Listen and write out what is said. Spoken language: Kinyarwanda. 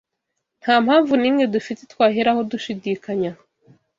Nta mpamvu n’imwe dufite twaheraho dushidikanya